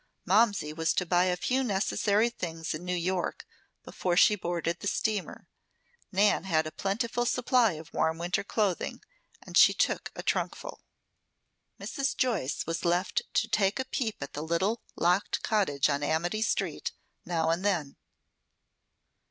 Momsey was to buy a few necessary things in New York before she boarded the steamer. Nan had a plentiful supply of warm winter clothing, and she took a trunkful. Mrs. Joyce was left to take a peep at the little, locked cottage on Amity Street, now and then.